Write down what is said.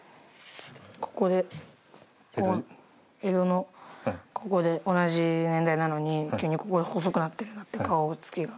ここで江戸のここで同じ年代なのに急にここで細くなってるなって顔つきが。